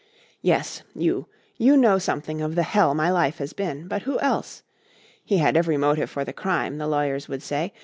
"Yes. You. You know something of the hell my life has been. But who else? He had every motive for the crime, the lawyers would say.